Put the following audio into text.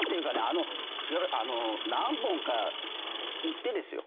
あの何本か行ってですよ。